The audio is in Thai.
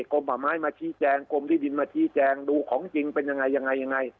ลมป่าไม้มาชี้แจงกรมที่ดินมาชี้แจงดูของจริงเป็นยังไงยังไง